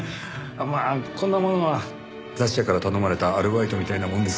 まあこんなものは雑誌社から頼まれたアルバイトみたいなものですから。